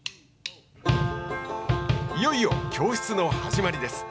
いよいよ教室の始まりです。